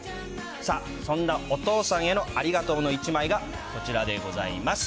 さあ、そんなお父さんへのありがとうの１枚がこちらでございます。